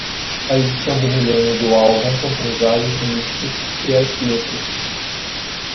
A edição do milênio do álbum contém vários remixes e as letras.